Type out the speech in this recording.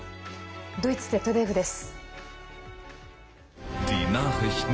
ドイツＺＤＦです。